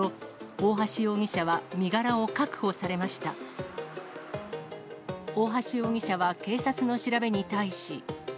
オオハシ容疑者は警察の調べに対し。